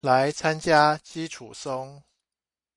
來參加基礎松